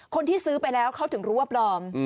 คนที่ซื้อไปแล้วเขาถึงรู้ว่าปลอม